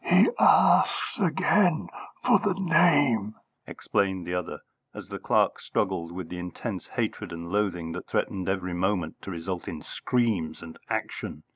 "He asks again for the name," explained the other, as the clerk struggled with the intense hatred and loathing that threatened every moment to result in screams and action.